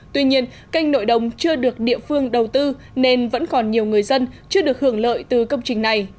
tuy nhiên canh nội đồng chưa được địa phương đầu tư nên vẫn còn nhiều người dân chưa được hưởng lợi từ công trình này